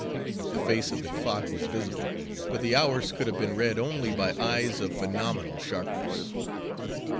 The face of the clock was visible, but the hours could have been read only by eyes of phenomenal sharpness.